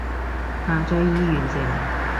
下載已完成